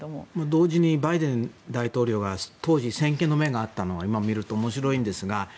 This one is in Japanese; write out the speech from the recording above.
同時にバイデン大統領が当時、先見の明があったのは今、見ると面白いんですが。